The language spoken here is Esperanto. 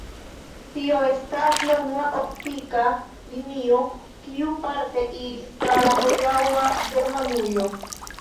Tio estas la unua optika linio kiu parte iris tra la hodiaŭa Germanujo.